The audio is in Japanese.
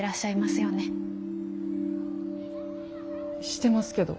してますけど。